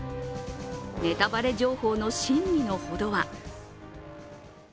ネタバレ情報の真偽のほどは？